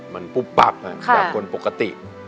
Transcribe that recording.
มันปุ๊บปับอ่ะกับคนปกติ